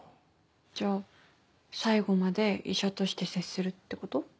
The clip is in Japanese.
じゃあ最後まで医者として接するってこと？